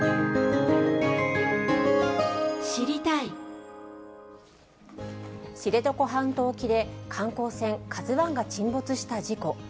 知床半島沖で、観光船カズワンが沈没した事故。